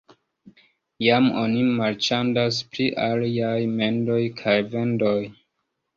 Jam oni marĉandas pri aliaj mendoj kaj vendoj.